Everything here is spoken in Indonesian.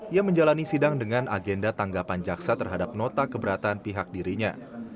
ia menjalani sidang dengan agenda tanggapan jaksa terhadap nota keberatan pihak dirinya